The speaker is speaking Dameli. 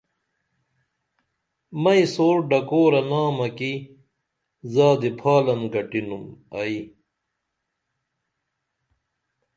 مئی سور ڈکورہ نامہ کی زادی پھالن گٹینُم ائی